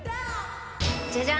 じゃじゃん。